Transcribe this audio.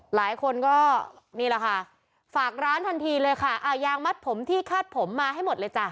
หลายคนก็นี่แหละค่ะฝากร้านทันทีเลยค่ะอ่ายางมัดผมที่คาดผมมาให้หมดเลยจ้ะ